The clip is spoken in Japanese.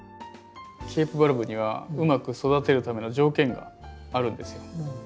ケープバルブにはうまく育てるための条件があるんですよ。